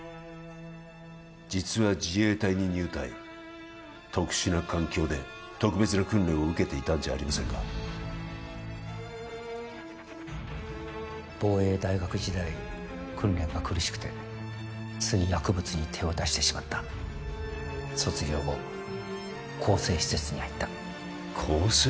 実は自衛隊に入隊特殊な環境で特別な訓練を受けていたんじゃありませんか防衛大学時代訓練が苦しくてつい薬物に手を出してしまった卒業後更生施設に入った更生施設？